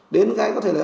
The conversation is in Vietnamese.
đến cái có thể là